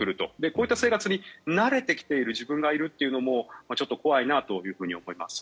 こういった生活に慣れてきている自分がいるというのもちょっと怖いなと思います。